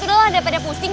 udah lah daripada pusing